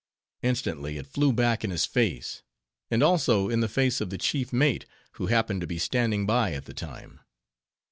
Instantly it flew back in his face; and also, in the face of the chief mate, who happened to be standing by at the time.